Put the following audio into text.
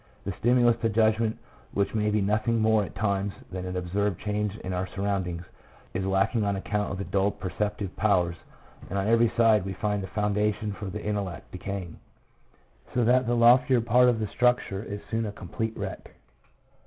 The stimulus to judgment, which may be nothing more at times than an observed change in our surroundings, is lack ing on account of the dulled perceptive powers, and on every side we find the foundation for the intellect decaying, so that the loftier part of the structure is soon a complete wreck.